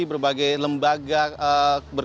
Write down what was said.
berbagai lembaga berkembang